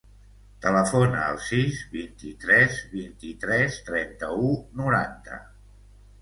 Telefona al sis, vint-i-tres, vint-i-tres, trenta-u, noranta.